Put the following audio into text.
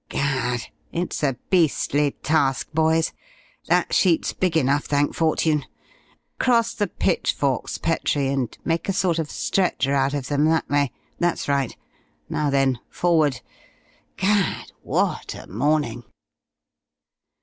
Gad! it's a beastly task, boys. That sheet's big enough, thank fortune! Cross the pitchforks, Petrie, and make a sort of stretcher out of them, that way. That's right. Now then, forward.... Gad! what a morning!"